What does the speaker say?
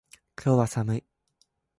今日は寒い